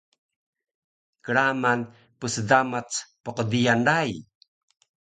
kraman psdamac pqdiyan rai